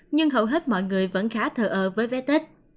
nhưng hầu hết mọi người vẫn khá thờ ơ với vé tết